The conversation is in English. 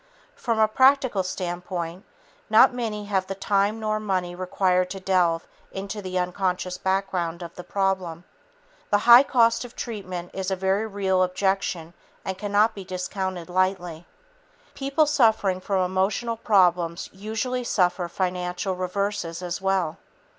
From a practical standpoint, not many have the time nor money required to delve into the unconscious background of the problem. The high cost of treatment is a very real objection and cannot be discounted lightly. People suffering from emotional problems usually suffer financial reverses as well.